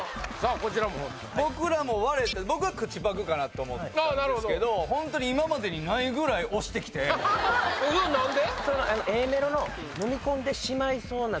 こちらもホント僕らも割れて僕は口パクかなって思ったんですけどホントに今までにないぐらいおしてきて何で？